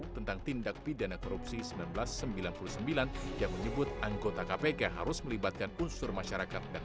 tentang tindak pidana korupsi seribu sembilan ratus sembilan puluh sembilan yang menyebut anggota kpk harus melibatkan unsur masyarakat dan